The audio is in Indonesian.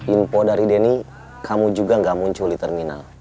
info dari denny kamu juga gak muncul di terminal